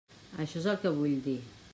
Això és el que vull dir.